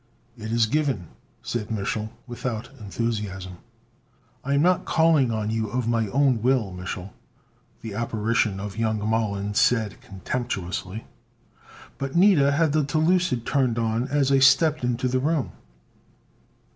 "It is given," said Mich'l without enthusiasm. "I'm not calling on you of my own will, Mich'l," the apparition of young Mollon said contemptuously, "but Nida had the telucid turned on as I stepped into the room."